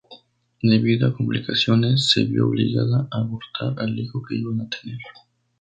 Debido a complicaciones, se vio obligada a abortar al hijo que iban a tener.